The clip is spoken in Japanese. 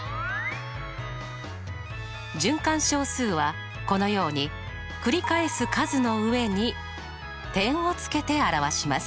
循環小数はこのように繰り返す数の上に点を付けて表します。